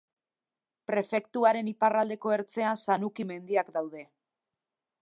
Prefekturaren iparraldeko ertzean Sanuki mendiak daude.